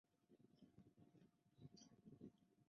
默认的对局模式。